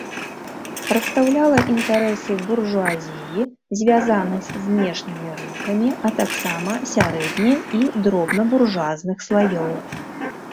Прадстаўляла інтарэсы буржуазіі, звязанай з знешнімі рынкамі, а таксама сярэдне- і дробнабуржуазных слаёў.